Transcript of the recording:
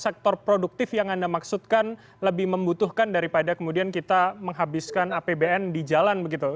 sektor produktif yang anda maksudkan lebih membutuhkan daripada kemudian kita menghabiskan apbn di jalan begitu